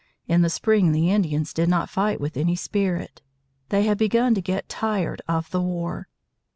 In the spring the Indians did not fight with any spirit. They had begun to get tired of the war.